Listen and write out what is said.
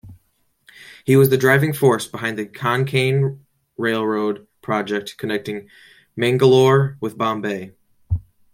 He was the driving force behind the Konkan Railway project, connecting Mangalore with Bombay.